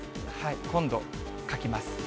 今度書きます。